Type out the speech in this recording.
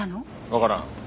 わからん。